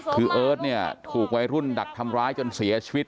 คือเอิร์ทเนี่ยถูกวัยรุ่นดักทำร้ายจนเสียชีวิต